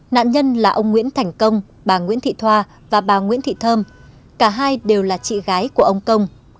nạn nhân là ông nguyễn thành công bà nguyễn thị thoa và bà nguyễn thị thơm cả hai đều là chị gái của ông công